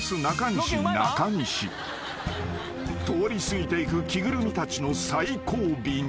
［通り過ぎていく着ぐるみたちの最後尾に］